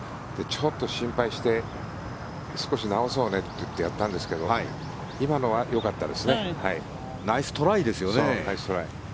ちょっと心配して少し直そうねって言ってやったんですけどナイストライですよね。